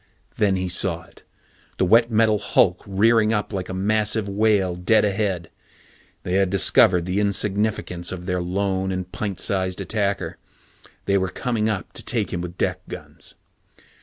Then he saw it the wet metal hulk rearing up like a massive whale dead ahead. They had discovered the insignificance of their lone and pint sized attacker. They were coming up to take him with deck guns.